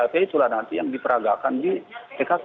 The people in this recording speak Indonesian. apa yang diperagakan di tkp